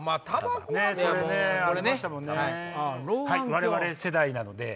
我々世代なので。